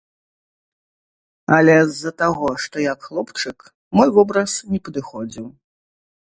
Але з-за таго, што я хлопчык, мой вобраз не падыходзіў.